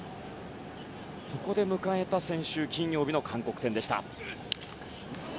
そこで迎えた先週金曜日の韓国戦でした。